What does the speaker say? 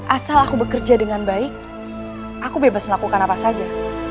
asal aku bekerja dengan baik aku bebas melakukan apa saja